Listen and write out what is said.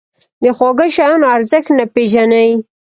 د خواږه شیانو ارزښت نه پېژني.